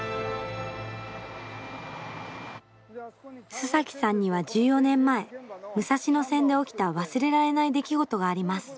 須崎さんには１４年前武蔵野線で起きた忘れられない出来事があります。